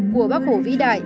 của bác hổ vĩ đại